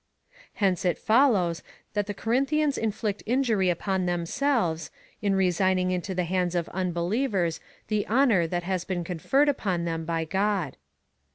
Hence it follows, that the Corinthians inflict injury upon themselves, in resigning into the hands of un believers the honour^ that has been conferred u.pon them by God.